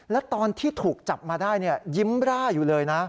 แล้วตอนที่ถูกจับมาได้ยิ้มร่าอยู่เลยนะ